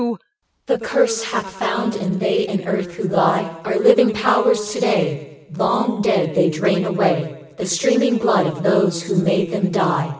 The curse hath found, and they in earth who lie Are living powers to day. Long dead, they drain away The streaming blood of those who made them die.